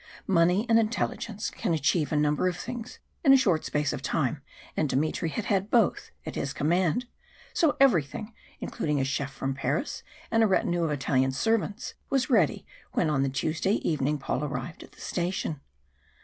Money and intelligence can achieve a number of things in a short space of time, and Dmitry had had both at his command, so everything, including a chef from Paris and a retinue of Italian servants, was ready when on the Tuesday evening Paul arrived at the station.